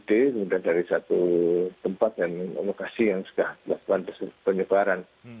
kemudian dari satu tempat dan lokasi yang sudah melakukan penyebaran